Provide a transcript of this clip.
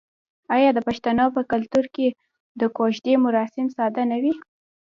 آیا د پښتنو په کلتور کې د کوژدې مراسم ساده نه وي؟